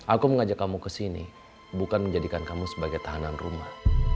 aku mengajak kamu ke sini bukan menjadikan kamu sebagai tahanan rumah